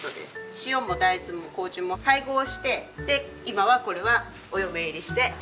塩も大豆も糀も配合して今はこれはお嫁入りしていきます。